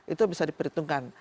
itu bisa diperhitungkan